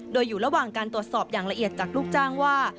โดยอยู่ระหว่างการตรวจสอบอย่างละเอียดจากลูกจ้างว่า